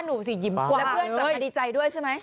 หนูสิยิ้มกว้า